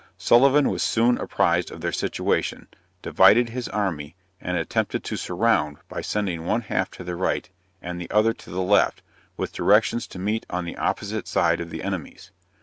Sullivan was soon apprized of their situation, divided his army, and attempted to surround, by sending one half to the right and the other to the left, with directions to meet on the opposite side of the enemies.